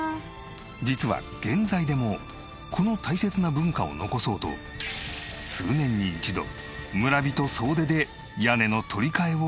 実は現在でもこの大切な文化を残そうと数年に一度村人総出で屋根の取り替えを行っている。